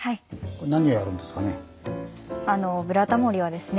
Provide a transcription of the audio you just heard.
これ何をやるんですかね？